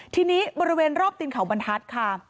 ทีนี้บริเวณรอบตีนเขาบรรทัศน์ค่ะ